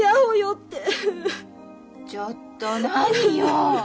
ちょっと何よ！